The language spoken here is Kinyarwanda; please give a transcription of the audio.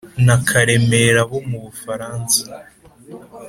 na karemera bo mu Bufaransa.